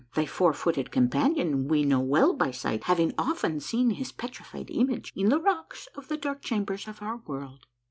Thy four footed companion we know well by sight, having often seen his petrified image in the rocks of the dark chambers of our world."